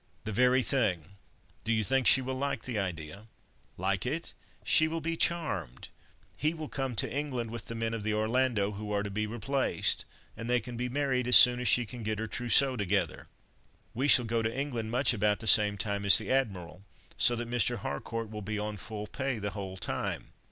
"The very thing! Do you think she will like the idea?" "Like it? She will be charmed. He will come to England with the men of the Orlando, who are to be replaced, and they can be married as soon as she can get her trousseau together. We shall go to England much about the same time as the Admiral, so that Mr. Harcourt will be on full pay the whole time.